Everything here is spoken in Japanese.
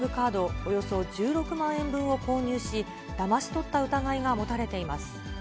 およそ１６万円分を購入し、だまし取った疑いが持たれています。